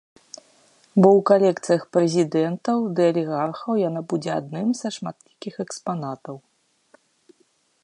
Бо ў калекцыях прэзідэнтаў ды алігархаў яна будзе адным са шматлікіх экспанатаў.